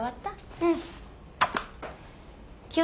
うん。